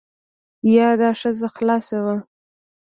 یا دا ښځه خلاصه کوم.